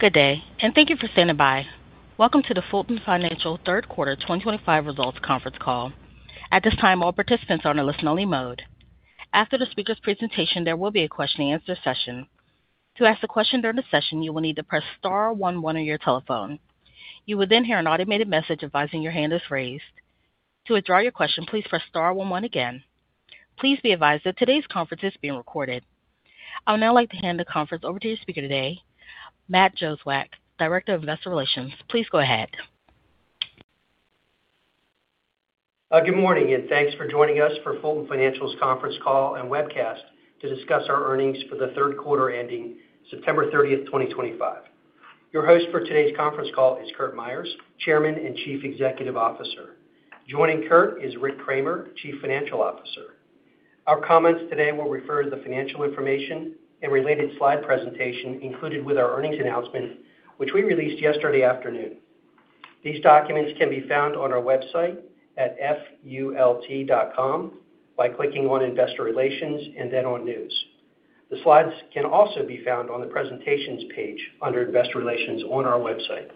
Good day, and thank you for standing by. Welcome to the Fulton Financial Third Quarter 2025 Results Conference Call. At this time, all participants are in a listen-only mode. After the speaker's presentation, there will be a question-and-answer session. To ask a question during the session, you will need to press star one-one on your telephone. You will then hear an automated message advising your hand is raised. To withdraw your question, please press star one-one again. Please be advised that today's conference is being recorded. I would now like to hand the conference over to your speaker today, Matt Jozwiak, Director of Investor Relations. Please go ahead. Good morning, and thanks for joining us for Fulton Financial conference call and webcast to discuss our earnings for the third quarter ending September 30, 2025. Your host for today's conference call is Curt Myers, Chairman and Chief Executive Officer. Joining Curt is Rick Kraemer, Chief Financial Officer. Our comments today will refer to the financial information and related slide presentation included with our earnings announcement, which we released yesterday afternoon. These documents can be found on our website at fult.com by clicking on Investor Relations and then on News. The slides can also be found on the Presentations page under Investor Relations on our website.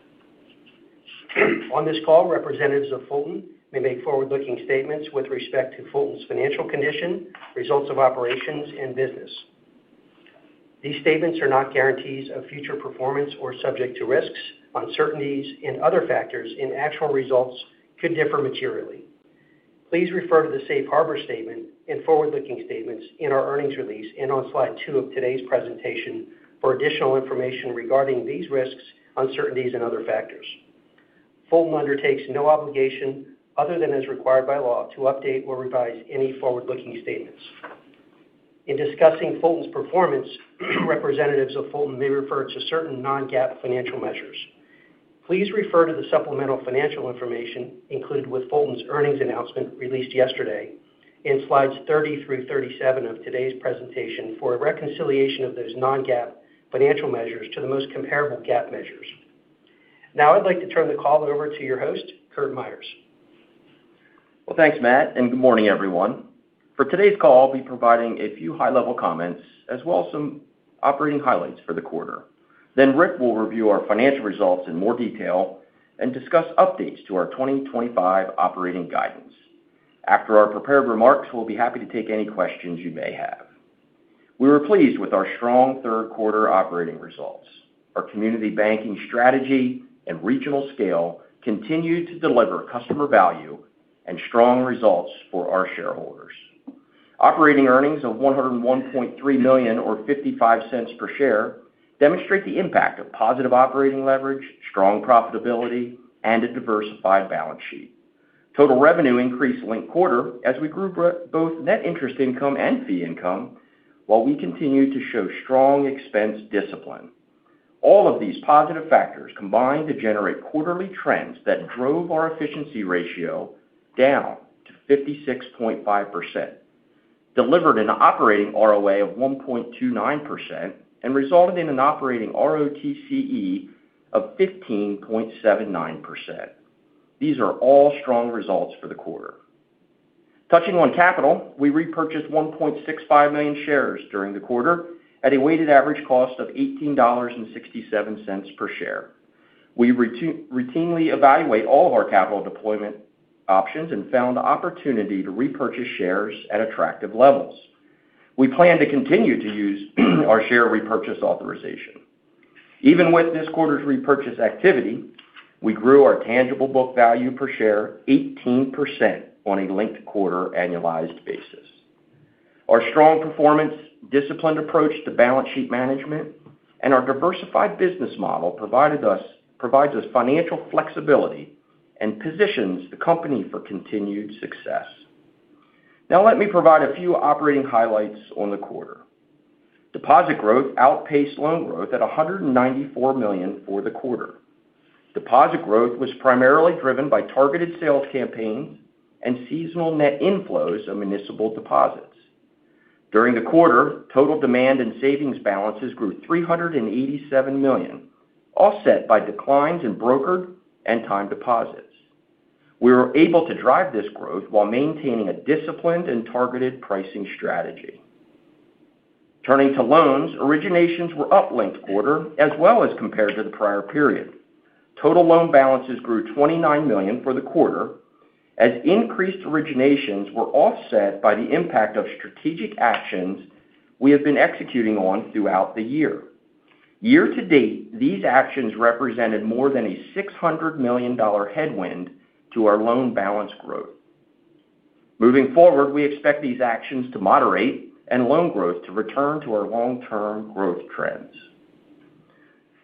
On this call, representatives of Fulton may make forward-looking statements with respect to Fulton's financial condition, results of operations, and business. These statements are not guarantees of future performance, are subject to risks, uncertainties, and other factors, and actual results could differ materially. Please refer to the Safe Harbor statement and forward-looking statements in our earnings release and on slide two of today's presentation for additional information regarding these risks, uncertainties, and other factors. Fulton undertakes no obligation other than as required by law to update or revise any forward-looking statements. In discussing Fulton's performance, representatives of Fulton may refer to certain non-GAAP financial measures. Please refer to the supplemental financial information included with Fulton's earnings announcement released yesterday in slides 30 through 37 of today's presentation for a reconciliation of those non-GAAP financial measures to the most comparable GAAP measures. Now I'd like to turn the call over to your host, Curt Myers. Thank you, Matt, and good morning, everyone. For today's call, I'll be providing a few high-level comments as well as some operating highlights for the quarter. Rick will review our financial results in more detail and discuss updates to our 2025 operating guidance. After our prepared remarks, we'll be happy to take any questions you may have. We were pleased with our strong third-quarter operating results. Our community banking strategy and regional scale continue to deliver customer value and strong results for our shareholders. Operating earnings of $101.3 million, or $0.55 per share, demonstrate the impact of positive operating leverage, strong profitability, and a diversified balance sheet. Total revenue increased linked quarter as we grew both net interest income and fee income, while we continue to show strong expense discipline. All of these positive factors combined to generate quarterly trends that drove our efficiency ratio down to 56.5%, delivered an operating ROA of 1.29%, and resulted in an operating ROTCE of 15.79%. These are all strong results for the quarter. Touching on capital, we repurchased 1.65 million shares during the quarter at a weighted average cost of $18.67 per share. We routinely evaluate all of our capital deployment options and found the opportunity to repurchase shares at attractive levels. We plan to continue to use our share repurchase authorization. Even with this quarter's repurchase activity, we grew our tangible book value per share 18% on a linked quarter annualized basis. Our strong performance, disciplined approach to balance sheet management, and our diversified business model provides us financial flexibility and positions the company for continued success. Now let me provide a few operating highlights on the quarter. Deposit growth outpaced loan growth at $194 million for the quarter. Deposit growth was primarily driven by targeted sales campaigns and seasonal net inflows of municipal deposits. During the quarter, total demand and savings balances grew $387 million, offset by declines in brokered and time deposits. We were able to drive this growth while maintaining a disciplined and targeted pricing strategy. Turning to loans, originations were up linked quarter as well as compared to the prior period. Total loan balances grew $29 million for the quarter as increased originations were offset by the impact of strategic actions we have been executing on throughout the year. Year to date, these actions represented more than a $600 million headwind to our loan balance growth. Moving forward, we expect these actions to moderate and loan growth to return to our long-term growth trends.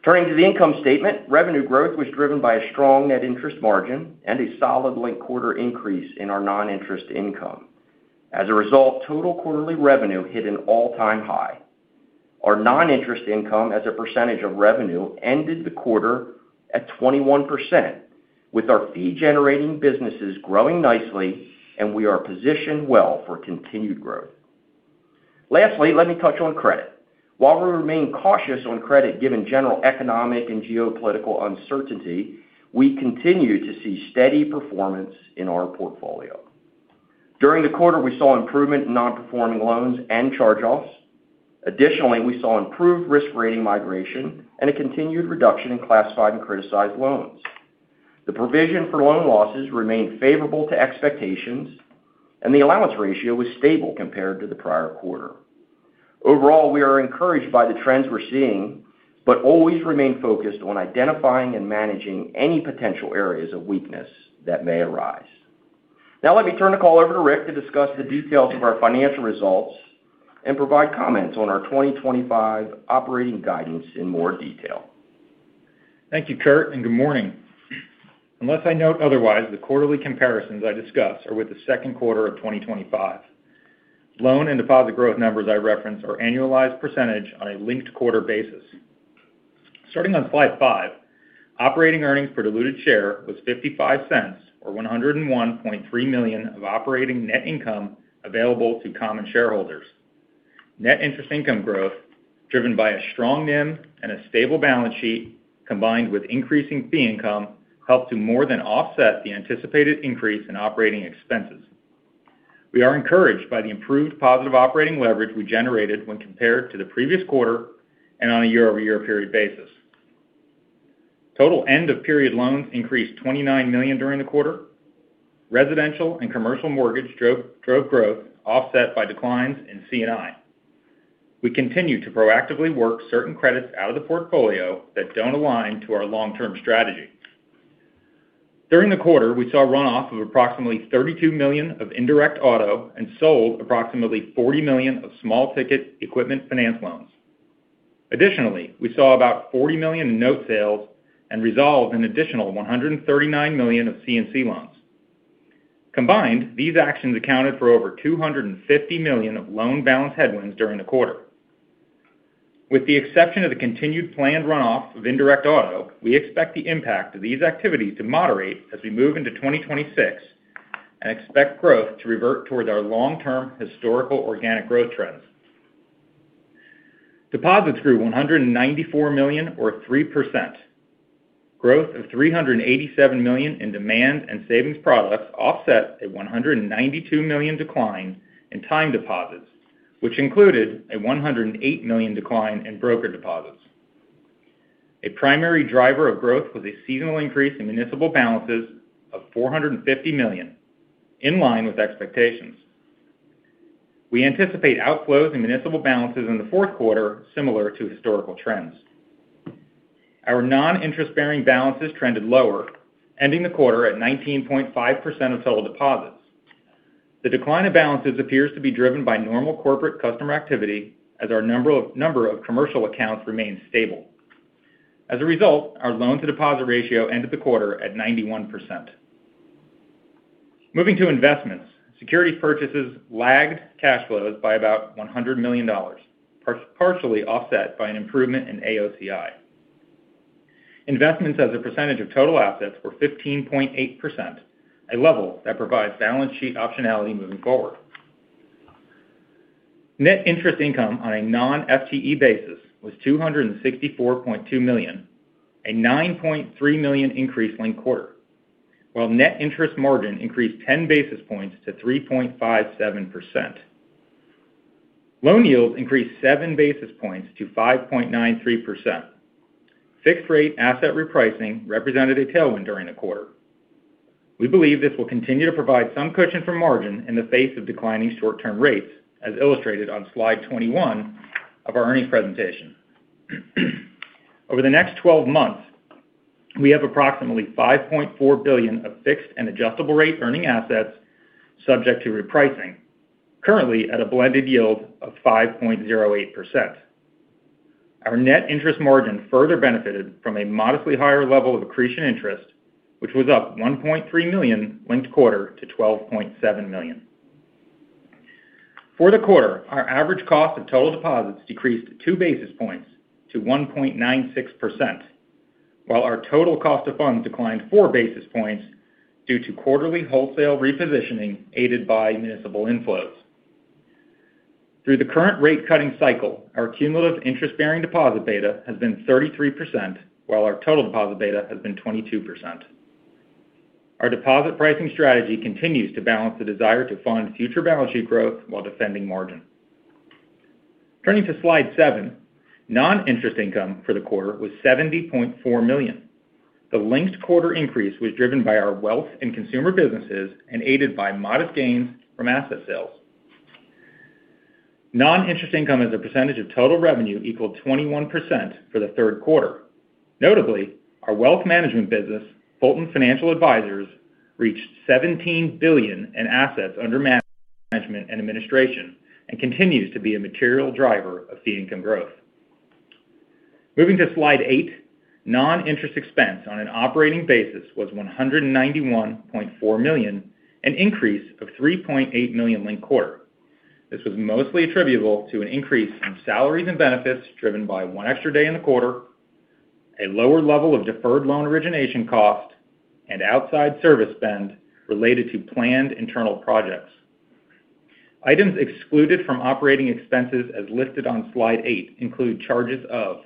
Turning to the income statement, revenue growth was driven by a strong net interest margin and a solid linked quarter increase in our non-interest income. As a result, total quarterly revenue hit an all-time high. Our non-interest income as a percentage of revenue ended the quarter at 21%, with our fee-generating businesses growing nicely, and we are positioned well for continued growth. Lastly, let me touch on credit. While we remain cautious on credit given general economic and geopolitical uncertainty, we continue to see steady performance in our portfolio. During the quarter, we saw improvement in non-performing loans and charge-offs. Additionally, we saw improved risk rating migration and a continued reduction in classified and criticized loans. The provision for loan losses remained favorable to expectations, and the allowance ratio was stable compared to the prior quarter. Overall, we are encouraged by the trends we're seeing, but always remain focused on identifying and managing any potential areas of weakness that may arise. Now let me turn the call over to Rick Kraemer to discuss the details of our financial results and provide comments on our 2025 operating guidance in more detail. Thank you, Curt, and good morning. Unless I note otherwise, the quarterly comparisons I discuss are with the second quarter of 2025. Loan and deposit growth numbers I reference are annualized percentage on a linked quarter basis. Starting on slide five, operating earnings per diluted share was $0.55 or $101.3 million of operating net income available to common shareholders. Net interest income growth, driven by a strong net interest margin and a stable balance sheet, combined with increasing fee income, helped to more than offset the anticipated increase in operating expenses. We are encouraged by the improved positive operating leverage we generated when compared to the previous quarter and on a year-over-year period basis. Total end-of-period loans increased $29 million during the quarter. Residential and commercial mortgage drove growth, offset by declines in commercial and industrial. We continue to proactively work certain credits out of the portfolio that don't align to our long-term strategy. During the quarter, we saw a runoff of approximately $32 million of indirect auto and sold approximately $40 million of small-ticket equipment finance loans. Additionally, we saw about $40 million in note sales and resolved an additional $139 million of commercial and industrial loans. Combined, these actions accounted for over $250 million of loan balance headwinds during the quarter. With the exception of the continued planned runoff of indirect auto, we expect the impact of these activities to moderate as we move into 2026 and expect growth to revert toward our long-term historical organic growth trends. Deposits grew $194 million or 3%. Growth of $387 million in demand and savings products offset a $192 million decline in timed deposits, which included a $108 million decline in brokered deposits. A primary driver of growth was a seasonal increase in municipal balances of $450 million, in line with expectations. We anticipate outflows in municipal balances in the fourth quarter similar to historical trends. Our non-interest-bearing balances trended lower, ending the quarter at 19.5% of total deposits. The decline in balances appears to be driven by normal corporate customer activity as our number of commercial accounts remains stable. As a result, our loan-to-deposit ratio ended the quarter at 91%. Moving to investments, securities purchases lagged cash flows by about $100 million, partially offset by an improvement in AOCI. Investments as a percentage of total assets were 15.8%, a level that provides balance sheet optionality moving forward. Net interest income on a non-FTE basis was $264.2 million, a $9.3 million increase linked quarter, while net interest margin increased 10 basis points to 3.57%. Loan yield increased 7 basis points to 5.93%. Fixed-rate asset repricing represented a tailwind during the quarter. We believe this will continue to provide some cushion for margin in the face of declining short-term rates, as illustrated on slide 21 of our earnings presentation. Over the next 12 months, we have approximately $5.4 billion of fixed and adjustable-rate earning assets subject to repricing, currently at a blended yield of 5.08%. Our net interest margin further benefited from a modestly higher level of accretion interest, which was up $1.3 million linked quarter to $12.7 million. For the quarter, our average cost of total deposits decreased 2 basis points to 1.96%, while our total cost of funds declined 4 basis points due to quarterly wholesale repositioning aided by municipal inflows. Through the current rate-cutting cycle, our cumulative interest-bearing deposit beta has been 33%, while our total deposit beta has been 22%. Our deposit pricing strategy continues to balance the desire to fund future balance sheet growth while defending margin. Turning to slide seven, non-interest income for the quarter was $70.4 million. The linked quarter increase was driven by our wealth and consumer businesses and aided by modest gains from asset sales. Non-interest income as a percentage of total revenue equaled 21% for the third quarter. Notably, our wealth management business, Fulton Financial Advisors, reached $17 billion in assets under management and administration and continues to be a material driver of fee income growth. Moving to slide eight, non-interest expense on an operating basis was $191.4 million, an increase of $3.8 million linked quarter. This was mostly attributable to an increase in salaries and benefits driven by one extra day in the quarter, a lower level of deferred loan origination cost, and outside service spend related to planned internal projects. Items excluded from operating expenses as listed on slide eight include charges of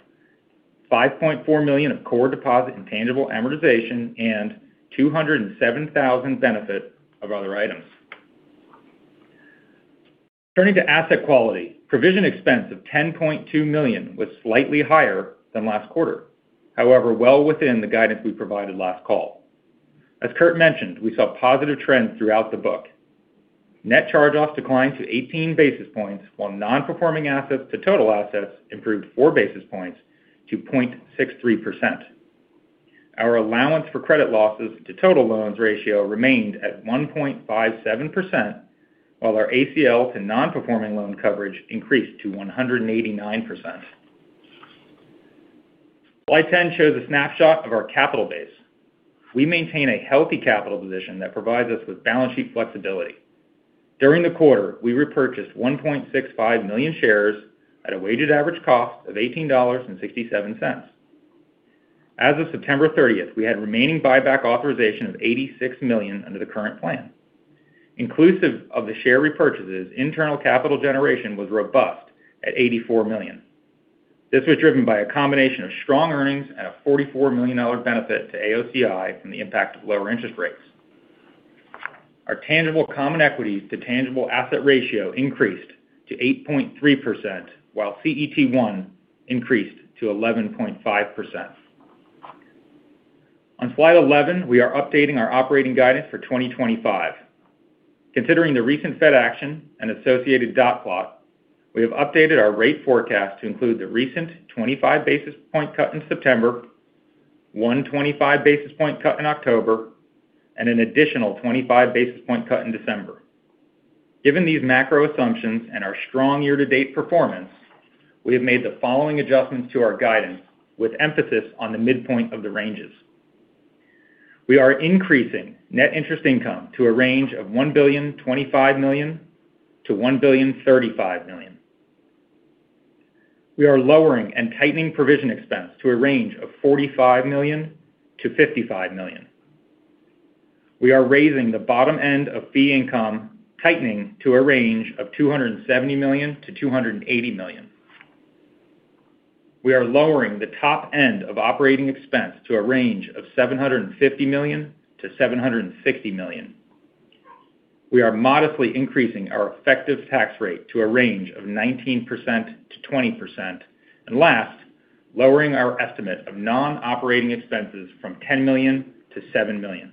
$5.4 million of core deposit and tangible amortization and $207,000 benefit of other items. Turning to asset quality, provision expense of $10.2 million was slightly higher than last quarter, however, well within the guidance we provided last call. As Curt mentioned, we saw positive trends throughout the book. Net charge-offs declined to 18 basis points, while non-performing assets to total assets improved 4 basis points to 0.63%. Our allowance for credit losses to total loans ratio remained at 1.57%, while our ACL to non-performing loan coverage increased to 189%. Slide 10 shows a snapshot of our capital base. We maintain a healthy capital position that provides us with balance sheet flexibility. During the quarter, we repurchased 1.65 million shares at a weighted average cost of $18.67. As of September 30, we had remaining buyback authorization of $86 million under the current plan. Inclusive of the share repurchases, internal capital generation was robust at $84 million. This was driven by a combination of strong earnings and a $44 million benefit to AOCI from the impact of lower interest rates. Our tangible common equity to tangible asset ratio increased to 8.3%, while CET1 increased to 11.5%. On slide 11, we are updating our operating guidance for 2025. Considering the recent Federal Reserve action and associated dot plot, we have updated our rate forecast to include the recent 25 basis point cut in September, one 25 basis point cut in October, and an additional 25 basis point cut in December. Given these macro assumptions and our strong year-to-date performance, we have made the following adjustments to our guidance with emphasis on the midpoint of the ranges. We are increasing net interest income to a range of $1,025,000,000 to $1,035,000,000. We are lowering and tightening provision expense to a range of $45 million to $55 million. We are raising the bottom end of fee income, tightening to a range of $270 million to $280 million. We are lowering the top end of operating expense to a range of $750 million to $760 million. We are modestly increasing our effective tax rate to a range of 19% to 20%, and last, lowering our estimate of non-operating expenses from $10 million to $7 million.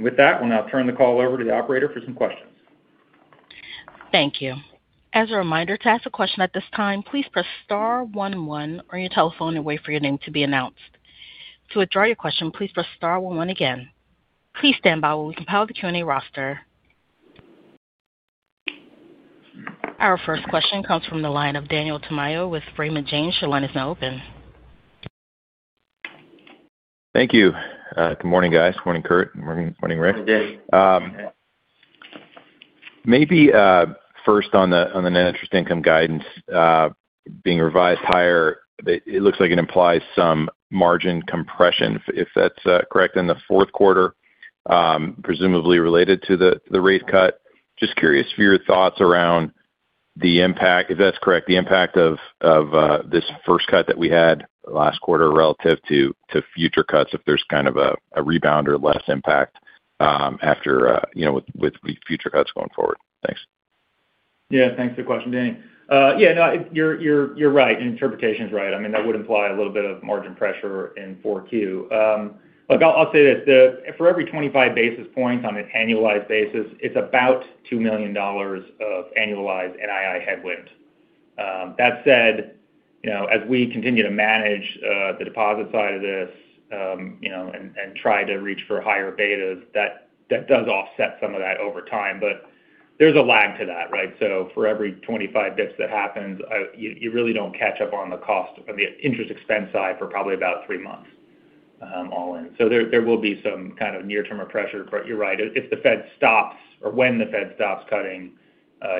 With that, we'll now turn the call over to the operator for some questions. Thank you. As a reminder, to ask a question at this time, please press star one-one on your telephone and wait for your name to be announced. To withdraw your question, please press star one-one again. Please stand by while we compile the Q&A roster. Our first question comes from the line of Daniel Tamayo with Raymond James. Your line is now open. Thank you. Good morning, guys. Morning, Curt. Morning, Rick. Maybe first on the net interest income guidance being revised higher, it looks like it implies some margin compression, if that's correct, in the fourth quarter, presumably related to the rate cut. Just curious for your thoughts around the impact, if that's correct, the impact of this first cut that we had last quarter relative to future cuts, if there's kind of a rebound or less impact after, you know, with future cuts going forward. Thanks. Yeah, thanks for the question, Danny. Yeah, no, you're right. Your interpretation is right. I mean, that would imply a little bit of margin pressure in 4Q. I'll say this. For every 25 basis points on an annualized basis, it's about $2 million of annualized NII headwind. That said, as we continue to manage the deposit side of this and try to reach for higher betas, that does offset some of that over time. There's a lag to that, right? For every 25 bps that happens, you really don't catch up on the cost on the interest expense side for probably about three months, all in. There will be some kind of near-term pressure. You're right. If the Fed stops or when the Fed stops cutting,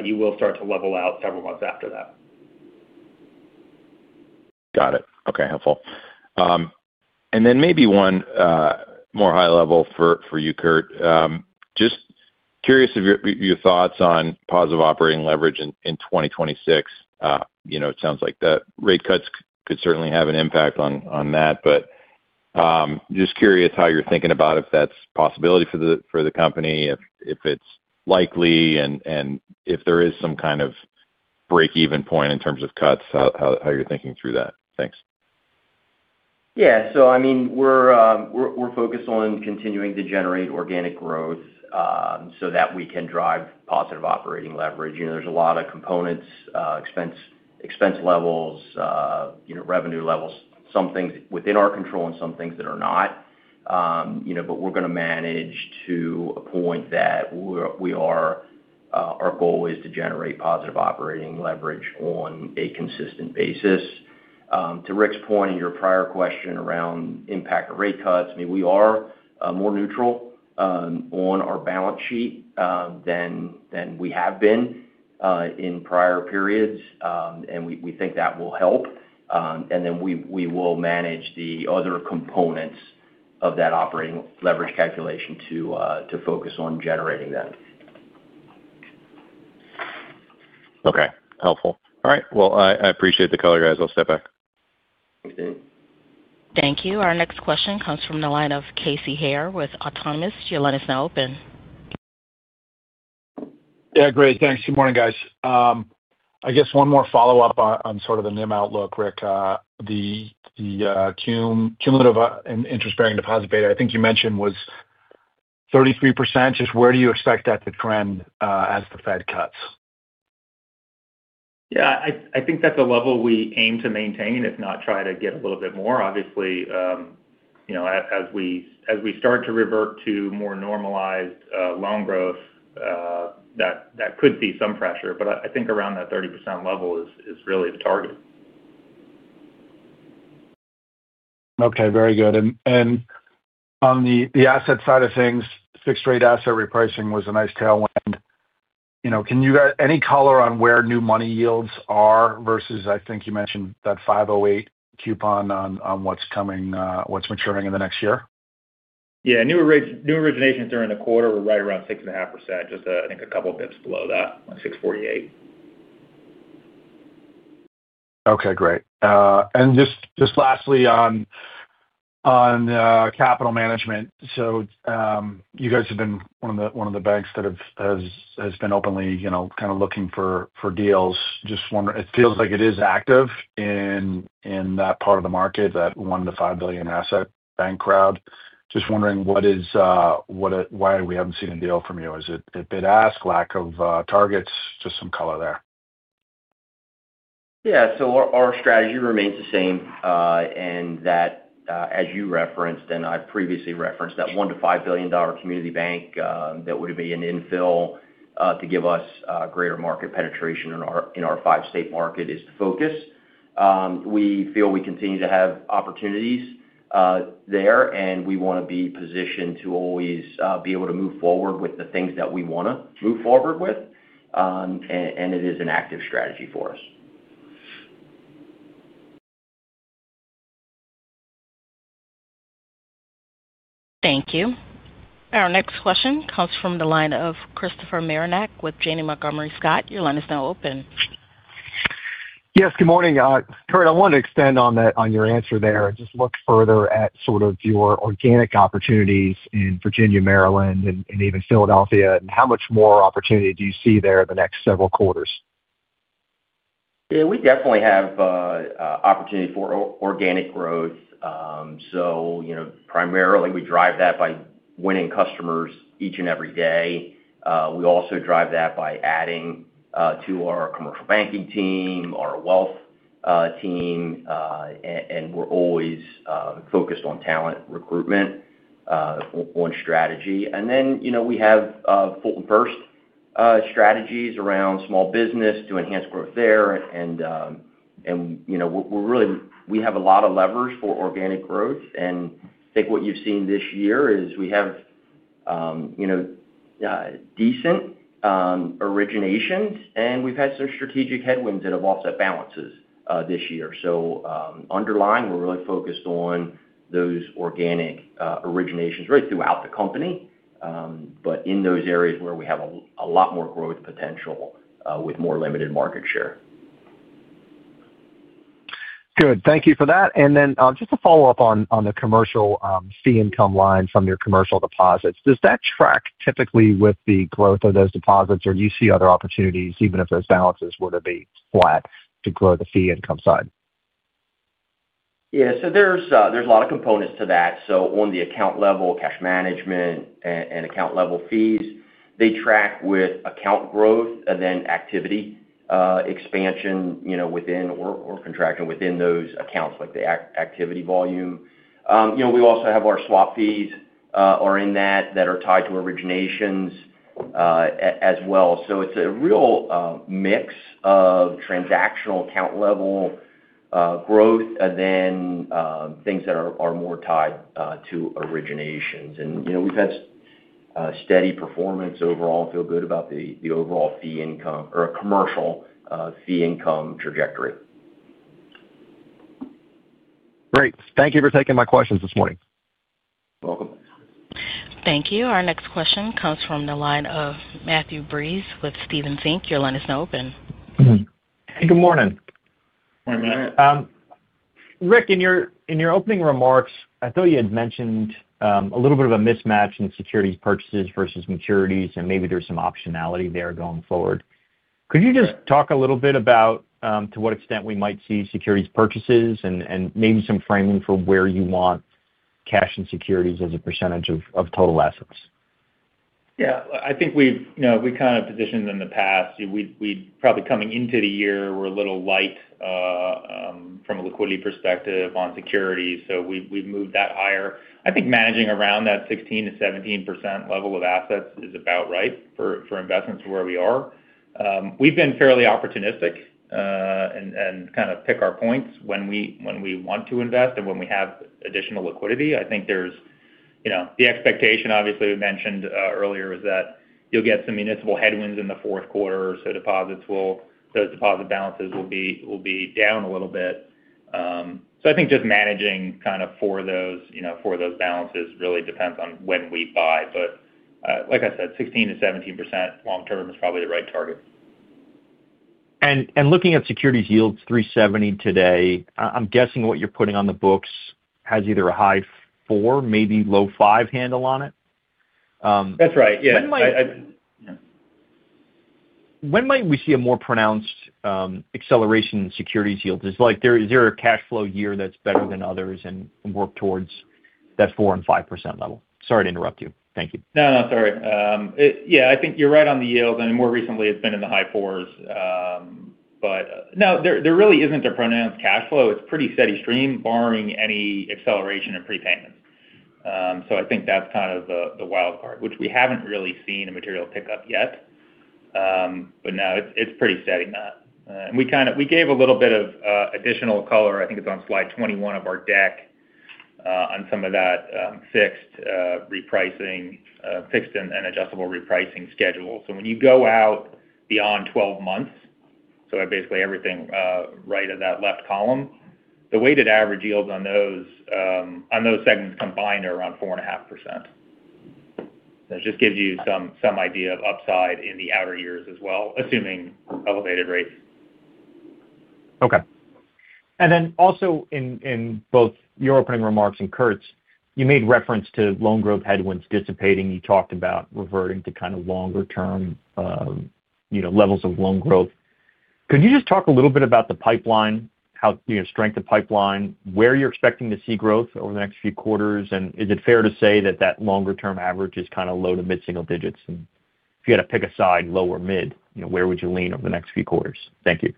you will start to level out several months after that. Got it. Okay, helpful. Maybe one more high level for you, Curt. Just curious of your thoughts on positive operating leverage in 2026. It sounds like the rate cuts could certainly have an impact on that, but just curious how you're thinking about if that's a possibility for the company, if it's likely, and if there is some kind of break-even point in terms of cuts, how you're thinking through that. Thanks. Yeah, I mean, we're focused on continuing to generate organic growth so that we can drive positive operating leverage. There are a lot of components, expense levels, revenue levels, some things within our control and some things that are not. We're going to manage to a point that our goal is to generate positive operating leverage on a consistent basis. To Rick's point in your prior question around impact of rate cuts, we are more neutral on our balance sheet than we have been in prior periods, and we think that will help. We will manage the other components of that operating leverage calculation to focus on generating them. Okay, helpful. All right, I appreciate the color, guys. I'll step back. Thanks, Danny. Thank you. Our next question comes from the line of Casey Hare with Autonomous. Your line is now open. Yeah, great. Thanks. Good morning, guys. I guess one more follow-up on sort of the NIM outlook, Rick. The cumulative interest-bearing deposit beta, I think you mentioned, was 33%. Just where do you expect that to trend as the Fed cuts? Yeah, I think that's a level we aim to maintain, if not try to get a little bit more. Obviously, as we start to revert to more normalized loan growth, that could see some pressure, but I think around that 30% level is really the target. Okay, very good. On the asset side of things, fixed-rate asset repricing was a nice tailwind. Can you add any color on where new money yields are versus, I think you mentioned that 5.08% coupon on what's coming, what's maturing in the next year? Yeah, new originations during the quarter were right around 6.5%, just I think a couple of bps below that, like 6.48%. Okay, great. Just lastly, on capital management, you guys have been one of the banks that has been openly, you know, kind of looking for deals. Just wondering, it feels like it is active in that part of the market, that $1 billion to $5 billion asset bank crowd. Just wondering why we haven't seen a deal from you. Is it a bid ask, lack of targets, just some color there. Our strategy remains the same, and that, as you referenced and I've previously referenced, that $1 billion to $5 billion community bank that would be an infill to give us greater market penetration in our five-state market is the focus. We feel we continue to have opportunities there, and we want to be positioned to always be able to move forward with the things that we want to move forward with, and it is an active strategy for us. Thank you. Our next question comes from the line of Christopher Marinac with Janney Montgomery Scott. Your line is now open. Yes, good morning. Curt, I wanted to extend on that, on your answer there, and just look further at sort of your organic opportunities in Virginia, Maryland, and even Philadelphia, and how much more opportunity do you see there in the next several quarters? Yeah, we definitely have opportunity for organic growth. Primarily, we drive that by winning customers each and every day. We also drive that by adding to our commercial banking team, our wealth team, and we're always focused on talent recruitment, one strategy. We have Fulton First strategies around small business to enhance growth there, and we're really, we have a lot of levers for organic growth. I think what you've seen this year is we have decent originations, and we've had some strategic headwinds that have offset balances this year. Underlying, we're really focused on those organic originations really throughout the company, but in those areas where we have a lot more growth potential with more limited market share. Thank you for that. Just to follow up on the commercial fee income line from your commercial deposits, does that track typically with the growth of those deposits, or do you see other opportunities even if those balances were to be flat to grow the fee income side? Yeah, so there's a lot of components to that. On the account level, cash management and account level fees track with account growth and then activity expansion or contraction within those accounts, like the activity volume. We also have our swap fees in that that are tied to originations as well. It's a real mix of transactional account level growth and things that are more tied to originations. We've had steady performance overall and feel good about the overall fee income or commercial fee income trajectory. Great. Thank you for taking my questions this morning. Welcome. Thank you. Our next question comes from the line of Matthew Breese with Stephens Inc. Your line is now open. Hey, good morning. Morning, Matt. Rick, in your opening remarks, I thought you had mentioned a little bit of a mismatch in securities purchases versus maturities, and maybe there's some optionality there going forward. Could you just talk a little bit about to what extent we might see securities purchases and maybe some framing for where you want cash and securities as a percentage of total assets? Yeah, I think we've kind of positioned in the past. We probably coming into the year were a little light from a liquidity perspective on securities, so we've moved that higher. I think managing around that 16 to 17% level of assets is about right for investments where we are. We've been fairly opportunistic and kind of pick our points when we want to invest and when we have additional liquidity. I think there's the expectation, obviously, we mentioned earlier, is that you'll get some municipal headwinds in the fourth quarter, so those deposit balances will be down a little bit. I think just managing for those balances really depends on when we buy. Like I said, 16 to 17% long-term is probably the right target. Looking at securities yields, 3.70% today, I'm guessing what you're putting on the books has either a high 4%, maybe low 5% handle on it. That's right, yeah. When might we see a more pronounced acceleration in securities yields? Is there a cash flow year that's better than others and work towards that 4% and 5% level? Sorry to interrupt you. Thank you. Yeah, I think you're right on the yield. I mean, more recently, it's been in the high fours. There really isn't a pronounced cash flow. It's a pretty steady stream, barring any acceleration in prepayments. I think that's kind of the wild card, which we haven't really seen a material pickup yet. It's pretty steady, Matt. We gave a little bit of additional color. I think it's on slide 21 of our deck on some of that fixed repricing, fixed and adjustable repricing schedule. When you go out beyond 12 months, basically everything right at that left column, the weighted average yields on those segments combined are around 4.5%. That just gives you some idea of upside in the outer years as well, assuming elevated rates. Okay. Also, in both your opening remarks and Curt's, you made reference to loan growth headwinds dissipating. You talked about reverting to kind of longer-term, you know, levels of loan growth. Could you just talk a little bit about the pipeline, how, you know, strength of pipeline, where you're expecting to see growth over the next few quarters? Is it fair to say that that longer-term average is kind of low to mid-single digits? If you had to pick a side, low or mid, you know, where would you lean over the next few quarters? Thank you.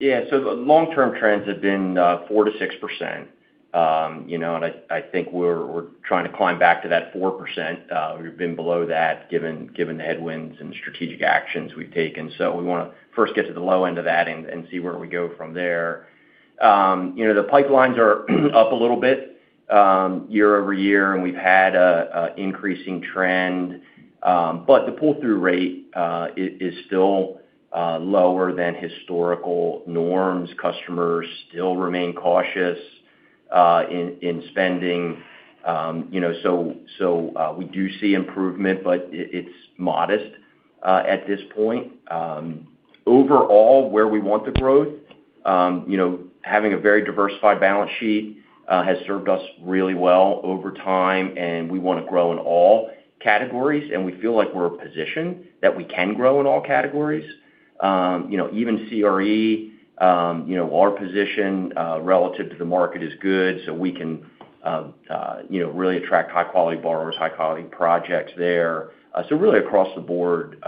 Yeah, so the long-term trends have been 4% to 6%. I think we're trying to climb back to that 4%. We've been below that given the headwinds and the strategic actions we've taken. We want to first get to the low end of that and see where we go from there. The pipelines are up a little bit year over year, and we've had an increasing trend. The pull-through rate is still lower than historical norms. Customers still remain cautious in spending. We do see improvement, but it's modest at this point. Overall, where we want the growth, having a very diversified balance sheet has served us really well over time, and we want to grow in all categories, and we feel like we're positioned that we can grow in all categories. Even CRE, our position relative to the market is good, so we can really attract high-quality borrowers, high-quality projects there. Really across the board,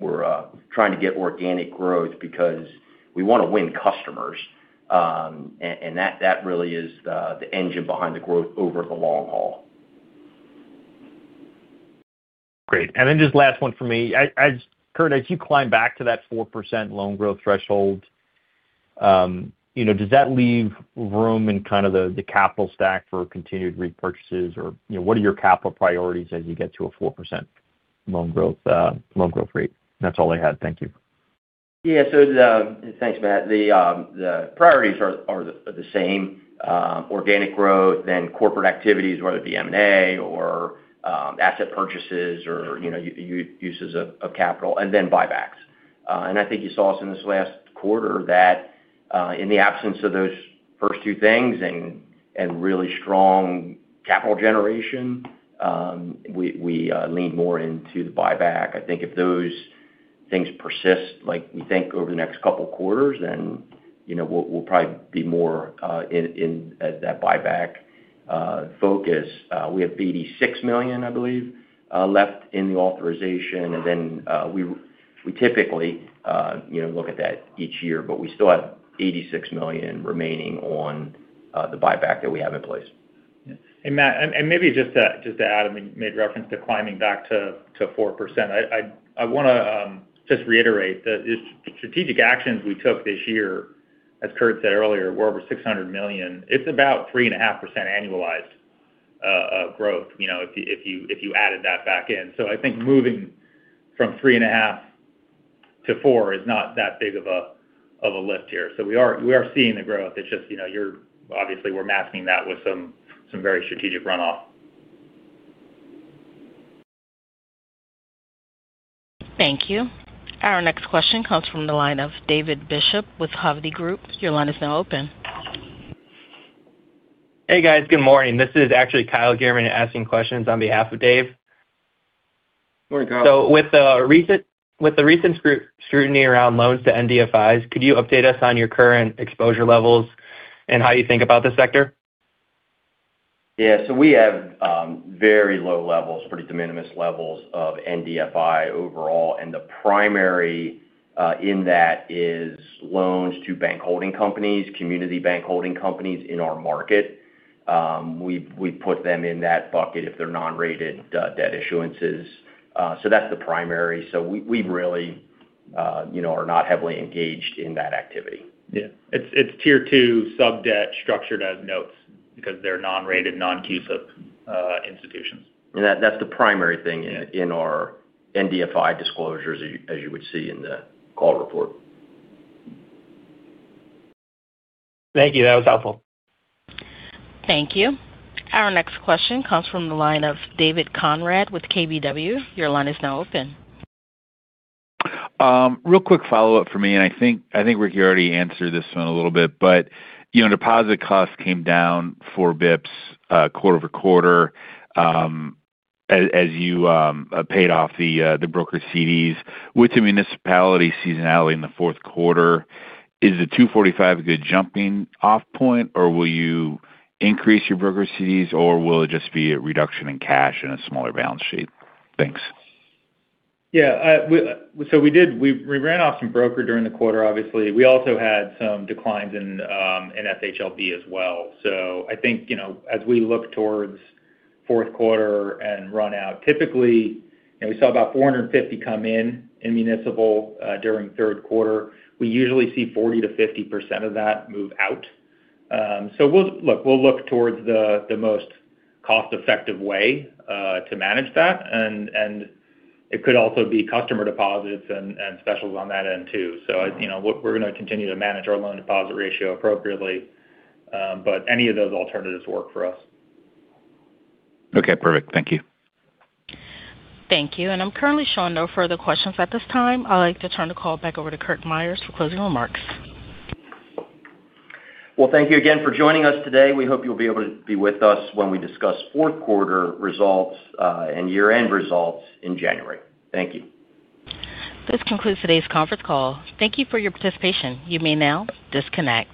we're trying to get organic growth because we want to win customers, and that really is the engine behind the growth over the long haul. Great. Just last one for me. Curt, as you climb back to that 4% loan growth threshold, does that leave room in kind of the capital stack for continued repurchases, or what are your capital priorities as you get to a 4% loan growth rate? That's all I had. Thank you. Yeah, thanks, Matt. The priorities are the same: organic growth, then corporate activities, whether it be M&A or asset purchases or, you know, uses of capital, and then buybacks. I think you saw us in this last quarter that in the absence of those first two things and really strong capital generation, we leaned more into the buyback. If those things persist like we think over the next couple of quarters, then, you know, we'll probably be more in that buyback focus. We have $86 million, I believe, left in the authorization, and we typically, you know, look at that each year, but we still have $86 million remaining on the buyback that we have in place. Yeah. Matt, maybe just to add, you made reference to climbing back to 4%. I want to just reiterate that the strategic actions we took this year, as Curt said earlier, were over $600 million. It's about 3.5% annualized growth if you added that back in. I think moving from 3.5% to 4% is not that big of a lift here. We are seeing the growth. You're obviously masking that with some very strategic runoff. Thank you. Our next question comes from the line of David Jason Bishop with Hovde Group. Your line is now open. Hey, guys, good morning. This is actually Kyle Gierman asking questions on behalf of Dave. Morning, Kyle. With the recent scrutiny around loans to NDFIs, could you update us on your current exposure levels and how you think about the sector? Yeah, we have very low levels, pretty de minimis levels of NDFI overall, and the primary in that is loans to bank holding companies, community bank holding companies in our market. We put them in that bucket if they're non-rated debt issuances. That's the primary. We really are not heavily engaged in that activity. Yeah, it's tier two sub-debt structured as notes because they're non-rated, non-CUSIP institutions. That's the primary thing in our NDFI disclosures, as you would see in the call report. Thank you. That was helpful. Thank you. Our next question comes from the line of David Conrad with KVW. Your line is now open. Real quick follow-up for me, and I think Rick, you already answered this one a little bit, but you know, deposit costs came down 4 bps quarter over quarter as you paid off the brokered CDs. With the municipality seasonality in the fourth quarter, is the 2.45% a good jumping-off point, or will you increase your brokered CDs, or will it just be a reduction in cash and a smaller balance sheet? Thanks. Yeah, we did, we ran off some broker during the quarter, obviously. We also had some declines in FHLB as well. I think, as we look towards fourth quarter and run out, typically, we saw about $450 million come in in municipal during third quarter. We usually see 40% to 50% of that move out. We'll look towards the most cost-effective way to manage that. It could also be customer deposits and specials on that end too. We're going to continue to manage our loan deposit ratio appropriately, but any of those alternatives work for us. Okay, perfect. Thank you. Thank you. I'm currently showing no further questions at this time. I'd like to turn the call back over to Curt Myers for closing remarks. Thank you again for joining us today. We hope you'll be able to be with us when we discuss fourth quarter results and year-end results in January. Thank you. This concludes today's conference call. Thank you for your participation. You may now disconnect.